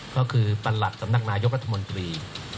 ก็คือประหลัดสำนักนายกรัฐมนตรี